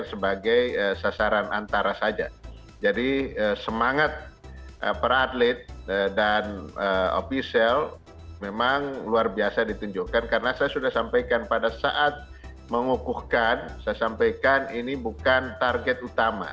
saya sudah mengatakan pada saat mengukuhkan saya sampaikan ini bukan target utama